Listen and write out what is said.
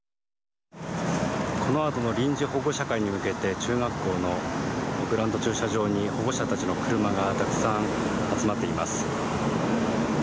このあとの臨時保護者会に向けて中学校のグラウンド、駐車場に保護者たちの車がたくさん集まっています。